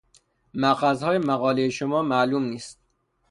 مأخذهای مقالهٔ شما معلوم نیست.